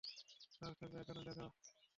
সাহস থাকলে এখন দেখা।